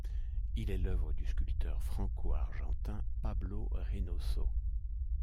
Il est l'œuvre du sculpteur franco-argentin Pablo Reinoso.